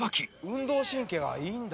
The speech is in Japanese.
「運動神経がいいんだ」